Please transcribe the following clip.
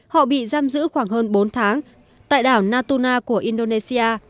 họ bị giam giữ khoảng hơn bốn tháng tại đảo natuna của indonesia